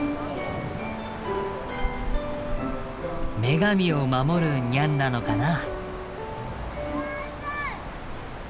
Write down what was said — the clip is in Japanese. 女神を守るニャンなのかな。